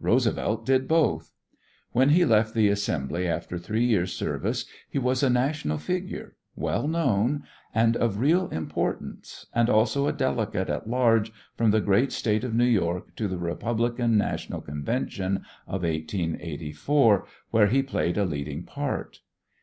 Roosevelt did both. When he left the assembly after three years' service he was a national figure, well known, and of real importance, and also a delegate at large from the great State of New York to the Republican national convention of 1884, where he played a leading part.